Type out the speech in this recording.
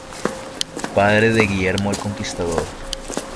Padre de Guillermo el Conquistador.